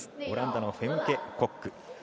オランダのフェムケ・コック。